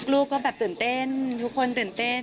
ลูกก็แบบตื่นเต้นทุกคนตื่นเต้น